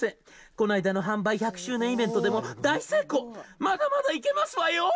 こないだの販売１００周年イベントも大成功まだまだいけますわよー。」